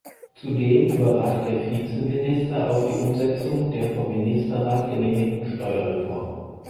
Zudem überwacht der Vizeminister auch die Umsetzung der vom Ministerrat genehmigten Steuerreform.